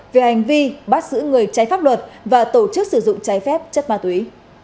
cảnh vi bắt giữ người trái pháp luật và tổ chức sử dụng trái phép chất ma túy